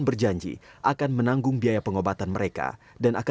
ya kami yang meninggal kita punya semacam untuk dana